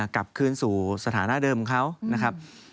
กลับคืนสู่สถานะเดิมเขานะครับ